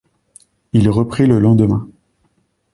Il reprit le lendemain.